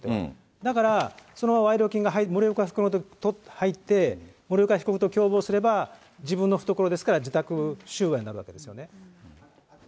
だからその賄賂金が入る、森岡被告のところに入って、森岡被告と共謀すれば、自分の懐ですから、受託収賄になるわけですね。